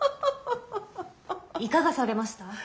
いかがされました？